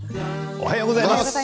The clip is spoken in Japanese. おはようございます。